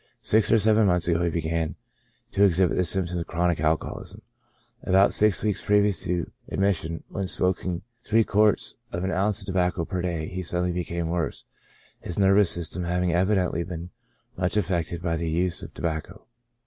Six or seven months ago he began to exhibit symptoms of chronic alcoholism, and about six weeks previous to admis sion, when smoking three quarters of an ounce of tobacco per day, he suddenly became worse, his nervous system having evidently been much affected by the use of the to bacco.